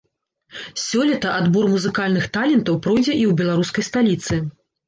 Сёлета адбор музыкальных талентаў пройдзе і ў беларускай сталіцы.